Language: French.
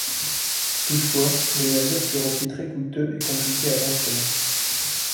Toutefois, les navires furent aussi très coûteux et compliqués à construire.